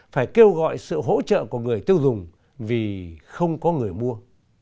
phải kêu gọi sự hỗ trợ của người tiêu dùng vì không có người mua